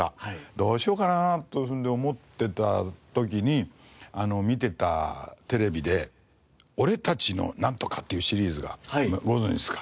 どうしようかなとそれで思ってた時に見てたテレビで俺たちのなんとかっていうシリーズがご存じですか？